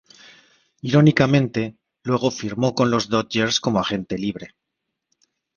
Irónicamente, luego firmó con los Dodgers como agente libre.